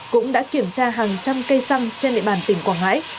cũng đã kiểm tra hàng trăm cây xăng trên lệ bàn tỉnh quảng hải